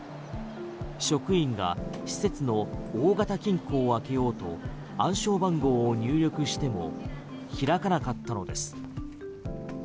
職員が施設の大型金庫を開けようと暗証番号を入力しても開かなかったのです。